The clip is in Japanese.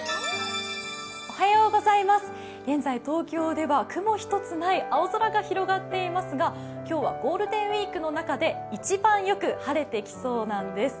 現在、東京では雲一つない青空が広がっていますが、今日はゴールデンウイークの中で一番よく晴れてきそうなんです。